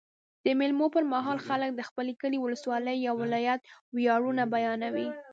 د مېلو پر مهال خلک د خپل کلي، اولسوالۍ یا ولایت ویاړونه بیانوي.